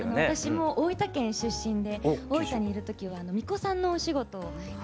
私も大分県出身で大分にいる時は巫女さんのお仕事を。